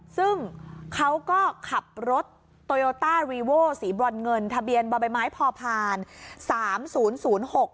ซึ่งเขาก็ขับรถสีบรรเงินทะเบียนบรรใบไม้พอพานสามศูนย์ศูนย์หก